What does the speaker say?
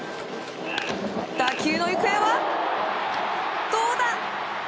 打球の行方は、どうだ。